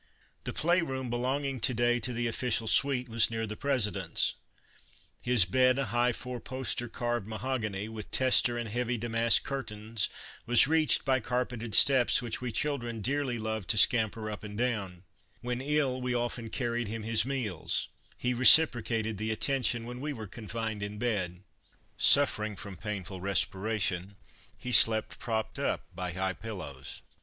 The play room, belonging to day to the official suite, was near the President's. His bed, a high, four post carved Rachel Donelson At the White House in Old I llckory's Dciv mahogany, with tester and heavy damask curtains, was reached by carpeted steps which we children dearly loved to scamper up and down. When ill we often carried him his meals, he reciprocating the attention when we were confined in bed. Suffering from painful respiration, he slept propped up by high pillows.